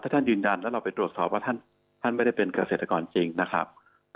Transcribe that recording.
ท่านยืนยันแล้วเราไปตรวจสอบว่าท่านไม่ได้เป็นเกษตรกรจริงนะครับ